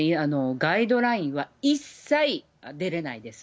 ガイドラインは一切出れないです。